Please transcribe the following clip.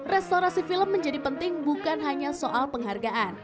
restorasi film menjadi penting bukan hanya soal penghargaan